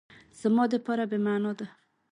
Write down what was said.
زما دپاره بی معنا ده